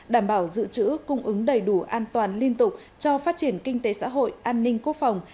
đảm bảo dự trữ cung ứng đầy đủ an toàn liên tục cho phát triển kinh tế xã hội an ninh quốc phòng